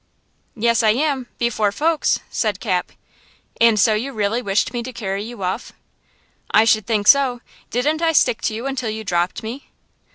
"Yes I am–before folks!" said Cap. "And so you really wished me to carry you off?" "I should think so! Didn't I stick to you until you dropped me?"